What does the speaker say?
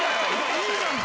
いいじゃんか！